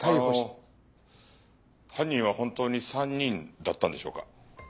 あの犯人は本当に３人だったんでしょうか？